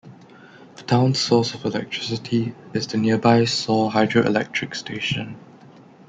The town's source of electricity is the nearby Sor Hydroelectric Station.